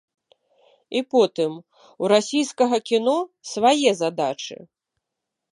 І потым, у расійскага кіно свае задачы.